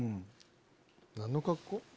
何の格好？